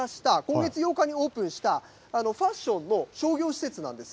今月８日にオープンした、ファッションの商業施設なんです。